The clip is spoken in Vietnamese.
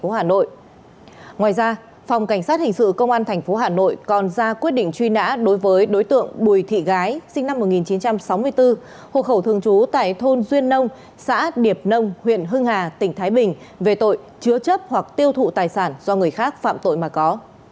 cũng liên quan đến tội gây dối trật tự công cộng phòng cảnh sát hình sự công an tp hà nội đã ra quyết định truy nã đối với đối tượng bùi thị gái sinh năm một nghìn chín trăm sáu mươi bốn hộ khẩu thường trú tại thôn duyên nông xã điệp nông huyện hưng hà tp thái bình về tội chứa chấp hoặc tiêu thụ tài sản do người khác phạm tội mà có